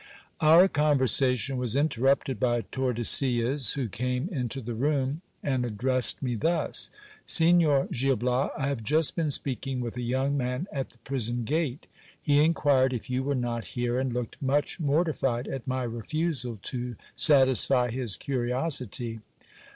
Ol'R conversation was interrupted by Tordesillas, who came into the room, and adlressed me thus : Signor Gil Bias, I have just been speaking with a young man at the prison gate. He inquired if you were not here, and looked much mcrtified at my refusal to satisfy his curiosity.